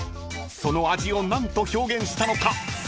［その味を何と表現したのか］